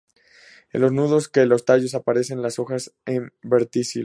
En los nudos de los tallos aparecen las hojas en verticilos.